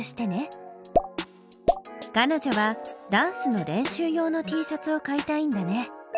かのじょはダンスの練習用のＴシャツを買いたいんだね。